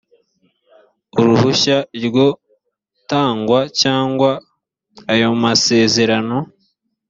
uruhushya iryo tangwa cyangwa ayo masezerano